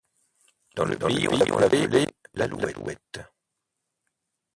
Dans le pays on l’appelait l’Alouette.